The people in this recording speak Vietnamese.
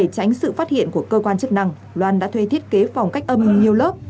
tránh sự phát hiện của cơ quan chức năng loan đã thuê thiết kế phòng cách âm nhiều lớp